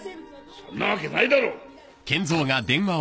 そんなわけないだろう！